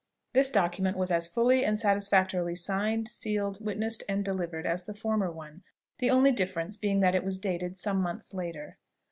This document was as fully and satisfactorily signed, sealed, witnessed, and delivered, as the former one; the only difference being that it was dated some months later.